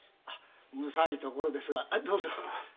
むさいところですがどうぞ。